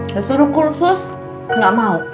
ya terus kursus nggak mau